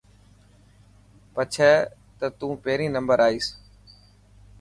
پڇي ته تون پهريون نمبر آئين.